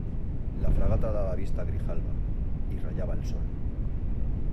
la fragata daba vista a Grijalba, y rayaba el sol.